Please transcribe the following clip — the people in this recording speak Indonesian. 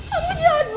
kamu jangan lupa